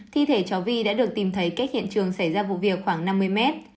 thi thể chó vi đã được tìm thấy cách hiện trường xảy ra vụ việc khoảng năm mươi m